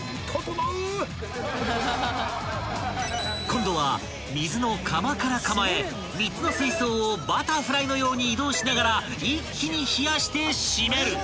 ［今度は水の釜から釜へ３つの水槽をバタフライのように移動しながら一気に冷やして締める］